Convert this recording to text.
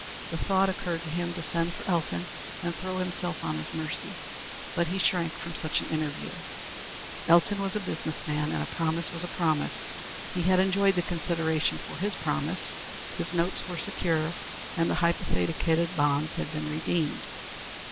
The thought occurred to him to send for Elton and throw himself on his mercy, but he shrank from such an interview. Elton was a business man, and a promise was a promise. He had enjoyed the consideration for his promise; his notes were secure and the hypothecated bonds had been redeemed.